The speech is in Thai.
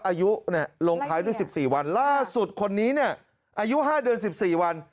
อายุลงท้ายด้วย๑๔วันล่าสุดคนนี้เนี่ยอายุ๕เดือน๑๔วัน